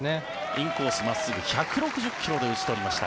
インコース真っすぐ１６０ｋｍで打ち取りました。